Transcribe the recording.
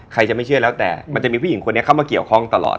ใครจะไม่เชื่อแล้วแต่มันจะมีผู้หญิงคนนี้เข้ามาเกี่ยวข้องตลอด